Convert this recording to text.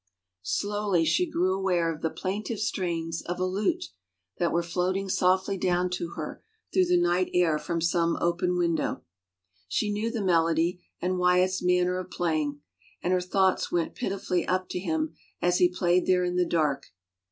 Slowly she grew aware of the 344 A LETTER AND TWO SONGS plaintive strains of a lute that were floating softly down to her through the night air from some open window. She knew the melody and Wyatt's manner of playing, and her thoughts went pitifully up to him as he played there in the dark.